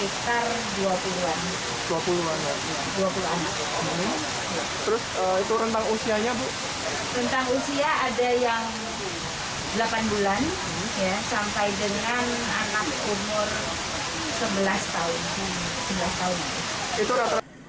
rentang usia ada yang delapan bulan sampai dengan anak umur sebelas tahun